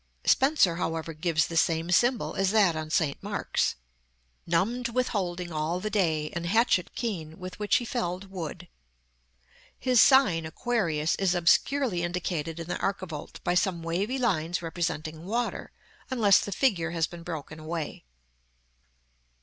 Spenser, however, gives the same symbol as that on St. Mark's: "Numbd with holding all the day An hatchet keene, with which he felled wood." His sign, Aquarius, is obscurely indicated in the archivolt by some wavy lines representing water, unless the figure has been broken away.